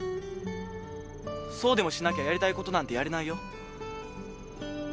そうでもしなきゃやりたいことなんてやれないよ。